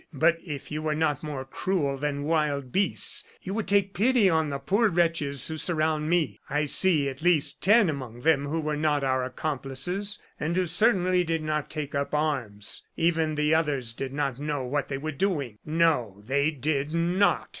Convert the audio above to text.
But if you were not more cruel than wild beasts you would take pity on the poor wretches who surround me. I see at least ten among them who were not our accomplices, and who certainly did not take up arms. Even the others did not know what they were doing. No, they did not!"